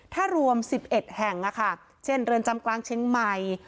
ถ้ารวม๑๑แห่งเช่นเรือนจำกลางเชียงใหม่